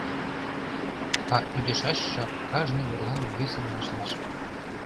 А ӱдышаш жап кажне верлан весе манаш лиеш.